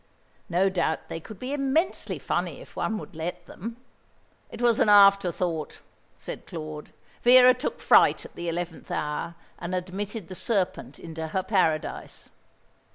No doubt they could be immensely funny if one would let them." "It was an after thought," said Claude. "Vera took fright at the eleventh hour, and admitted the serpent into her paradise."